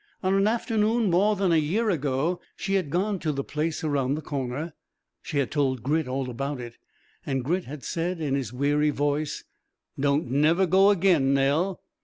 On an afternoon more than a year ago she had gone to the place around the corner. She had told Grit all about it, and Grit had said in his weary voice, "Don't never go again, Nell."